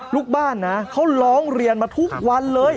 ลูกบ้านนะเขาร้องเรียนมาทุกวันเลย